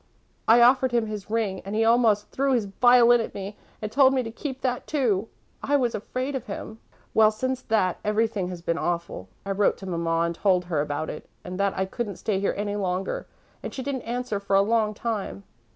I offered him his ring and he almost threw his violin at me, and told me to keep that, too. I was afraid of him. "Well, since that, everything has been awful. I wrote to Mamma and told her about it and that I couldn't stay here any longer, and she didn't answer for a long time.